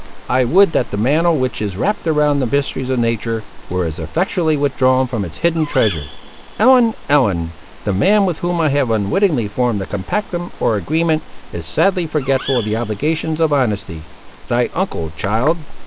I would that the mantle which is wrapped around the mysteries of nature, were as effectually withdrawn from its hidden treasures! Ellen! Ellen! the man with whom I have unwittingly formed a compactum, or agreement, is sadly forgetful of the obligations of honesty! Thy uncle, child."